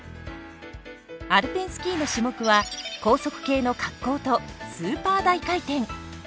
アルペンスキーの種目は高速系の滑降とスーパー大回転。